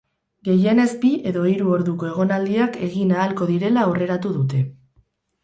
Gehienez bi edo hiru orduko egonaldiak egin ahalko direla aurreratu dute.